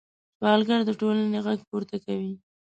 سوالګر د ټولنې غږ پورته کوي